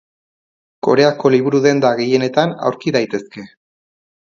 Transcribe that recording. Koreako liburu-denda gehienetan aurki daitezke.